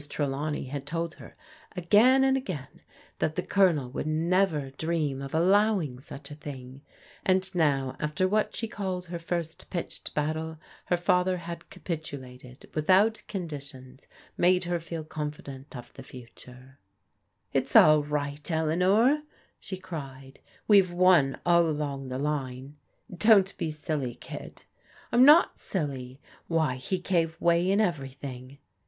Trdawney had told her, again and again, that the Colonel would never dream of allowing such a thing, and now after what she called her first pitched battle, her father had capitulated with .4mt conditions, made her fed confident of the future. THE BIGHT TO "LIVE THEIR LIVES 59 "It's an right, Eleanor/' she cried, "we've won all along the line." "Don't be silly, Id A*' " I'm not silly. Why, he gave way in everything."